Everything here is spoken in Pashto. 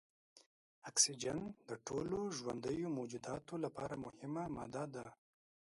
اکسیجن د ټولو ژوندیو موجوداتو لپاره مهمه ماده ده.